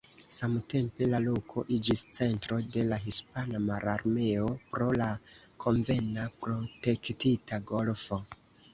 Samtempe la loko iĝis centro de la hispana mararmeo pro la konvena protektita golfo.